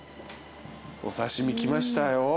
お刺し身来ましたよ。